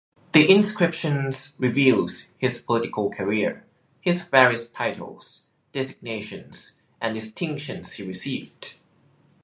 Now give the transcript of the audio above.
The inscriptions reveals his political career, his various titles, designations and distinctions he received.